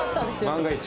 「万が一」。